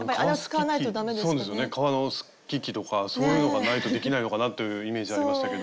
革のすき機とかそういうのがないとできないのかなというイメージありましたけど。